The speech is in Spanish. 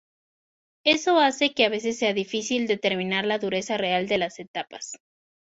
Eso hace que a veces sea difícil determinar la dureza real de las etapas.